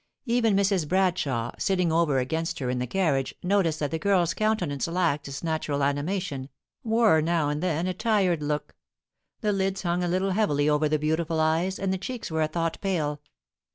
Even Mrs. Bradshaw, sitting over against her in the carriage, noticed that the girl's countenance lacked its natural animation, wore now and then a tired look; the lids hung a little heavily over the beautiful eyes, and the cheeks were a thought pale.